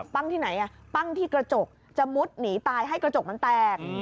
ปั้งที่ไหนปั้งที่กระจกจะมุดหนีตายให้กระจกมันแตก